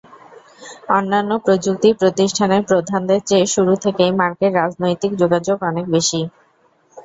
অন্যান্য প্রযুক্তি প্রতিষ্ঠানের প্রধানদের চেয়ে শুরু থেকেই মার্কের রাজনৈতিক যোগাযোগ অনেক বেশি।